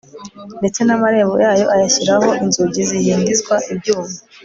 ndetse n'amarembo yayo ayashyiraho inzugi zihindizwa ibyuma